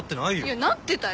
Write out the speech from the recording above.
いやなってたよ！